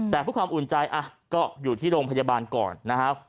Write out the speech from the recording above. แต่เพื่อความอุ่นใจก็อยู่ที่โรงพยาบาลก่อนนะครับ